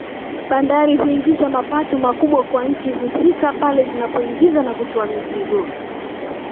Bandari huingiza mapato makubwa kwa nchi husika pale zinapoingiza na kutoa mizigo